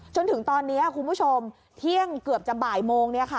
จนถึงตอนนี้คุณผู้ชมเที่ยงเกือบจะบ่ายโมง